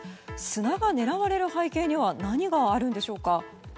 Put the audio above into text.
砂が狙われる背景には何があるんでしょうか。